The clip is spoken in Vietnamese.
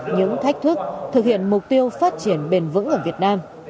những thách thức thực hiện mục tiêu phát triển bền vững ở việt nam